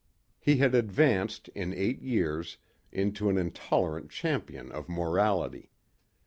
He had advanced in eight years into an intolerant champion of morality.